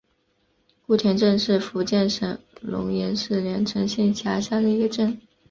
姑田镇是福建省龙岩市连城县下辖的一个镇。